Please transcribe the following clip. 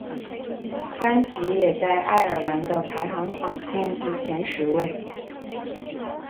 专辑也在爱尔兰的排行榜进入前十位。